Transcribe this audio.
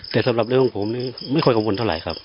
แต่สำหรับเรื่องของผมนี่ไม่ค่อยกังวลเท่าไหร่ครับ